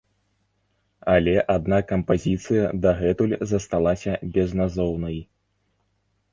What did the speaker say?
Але адна кампазіцыя дагэтуль засталася безназоўнай.